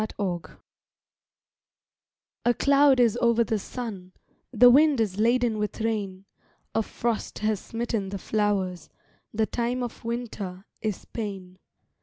A SONG A cloud is over the sun, The wind is laden with rain, A frost has smitten the flowers; The time of Winter is pain.